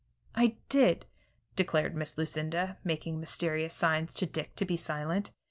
"I did," declared Miss Lucinda, making mysterious signs to Dick to be silent.